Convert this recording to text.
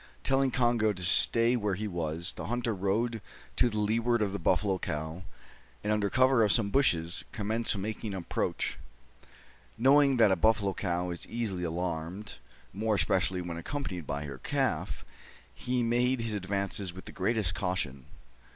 Telling Congo to stay where he was, the hunter rode to the leeward of the buffalo cow, and, under cover of some bushes, commenced making approach. Knowing that a buffalo cow is easily alarmed, more especially when accompanied by her calf, he made his advances with the greatest caution.